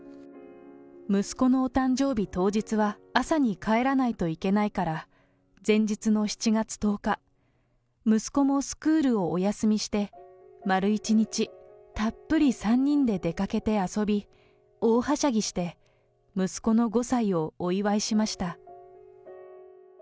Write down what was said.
息子のお誕生日当日は、朝に帰らないといけないから前日の７月１０日、息子もスクールをお休みして、丸一日たっぷり３人で出かけて遊び、大はしゃぎして息子の５歳をお祝いしました。